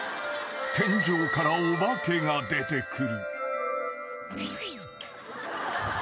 ［天井からお化けが出てくる］